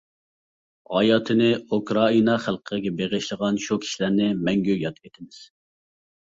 ھاياتىنى ئۇكرائىنا خەلقىگە بېغىشلىغان شۇ كىشىلەرنى مەڭگۈ ياد ئېتىمىز.